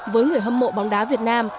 với người hâm mộ bóng đá việt nam